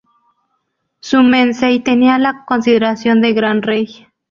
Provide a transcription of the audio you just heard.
Su "mencey" tenía la consideración de Gran Rey.